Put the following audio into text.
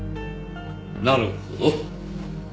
なるほど。